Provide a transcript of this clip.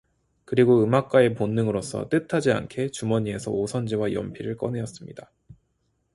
그리고 음악가의 본능으로서 뜻하지 않게 주머니에서 오선지와 연필을 꺼내었습니다.